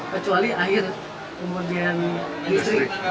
kecuali air kemudian listrik